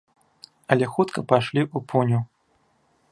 Але хутка пайшлі ў пуню.